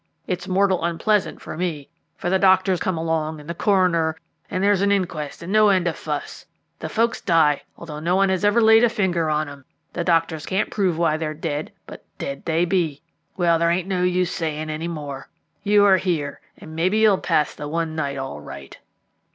It's mortal unpleasant for me, for the doctors come along, and the coroner, and there's an inquest and no end of fuss. The folks die, although no one has ever laid a finger on 'em; the doctors can't prove why they are dead, but dead they be. Well, there ain't no use saying more. You are here, and maybe you'll pass the one night all right."